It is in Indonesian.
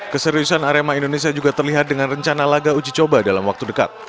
keseriusan arema indonesia juga terlihat dengan rencana laga uji coba dalam waktu dekat